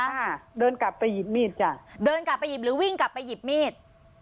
อ่าเดินกลับไปหยิบมีดจ้ะเดินกลับไปหยิบหรือวิ่งกลับไปหยิบมีด